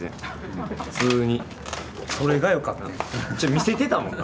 見せてたもんな。